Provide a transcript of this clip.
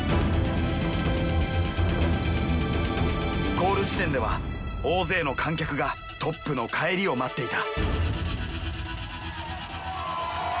ゴール地点では大勢の観客がトップの帰りを待っていた。